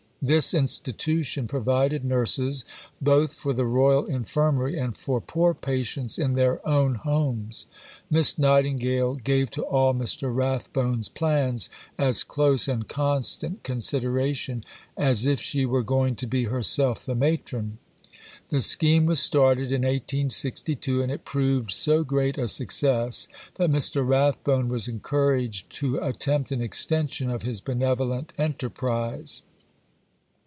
This institution provided nurses both for the Royal Infirmary and for poor patients in their own homes. Miss Nightingale gave to all Mr. Rathbone's plans as close and constant consideration "as if she were going to be herself the matron." The scheme was started in 1862, and it proved so great a success that Mr. Rathbone was encouraged to attempt an extension of his benevolent enterprise.